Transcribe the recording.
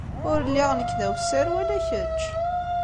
Ur lliɣ nekk d awessar wala kečč.